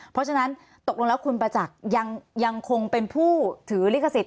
เพราะฉะนั้นตกลงแล้วคุณประจักษ์ยังคงเป็นผู้ถือลิขสิทธ